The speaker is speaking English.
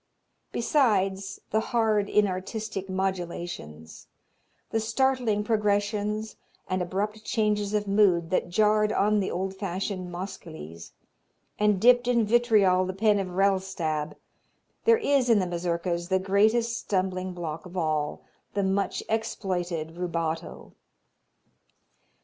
Besides the "hard, inartistic modulations, the startling progressions and abrupt changes of mood" that jarred on the old fashioned Moscheles, and dipped in vitriol the pen of Rellstab, there is in the Mazurkas the greatest stumbling block of all, the much exploited rubato.